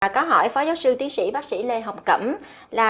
có hỏi phó giáo sư tiến sĩ bác sĩ lê hồng cẩm là